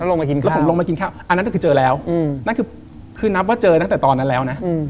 ลงมากินข้าวอันนั้นคือเจอแล้วคือนับว่าเจอตั้งแต่ตอนนั้นแล้วนะ